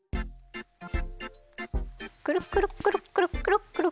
くるくるくるくるくるくる。